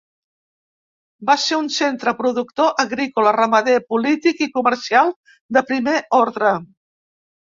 Va ser un centre productor agrícola, ramader, polític i comercial de primer ordre.